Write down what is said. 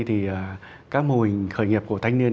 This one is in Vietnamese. thì các mô hình khởi nghiệp của thanh niên